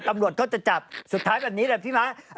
ตำรวจก็จะจับสุดท้ายแบบนี้แหละพี่ม้า